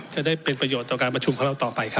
จะได้เป็นประโยชน์ต่อการประชุมของเราต่อไปครับ